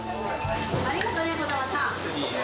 ありがとね、こだまさん。